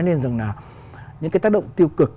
nên rằng là những cái tác động tiêu cực